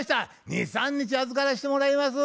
２３日預からしてもらいます」。